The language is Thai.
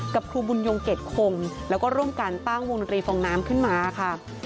ครูบุญยงเกรดคงแล้วก็ร่วมกันตั้งวงดนตรีฟองน้ำขึ้นมาค่ะ